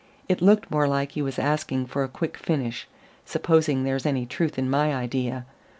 It looked more like he was asking for a quick finish supposing there's any truth in my idea.